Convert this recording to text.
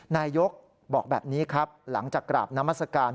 นายยกบอกแบบนี้ครับหลังจากกราบนามัศกาล